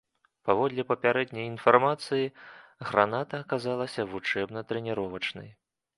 Паводле папярэдняй інфармацыі, граната аказалася вучэбна-трэніровачнай.